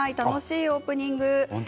楽しいオープニング。